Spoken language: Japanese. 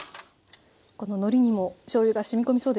こののりにもしょうゆがしみ込みそうですね。